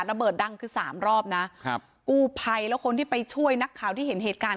ระเบิดดังคือสามรอบนะครับกู้ภัยแล้วคนที่ไปช่วยนักข่าวที่เห็นเหตุการณ์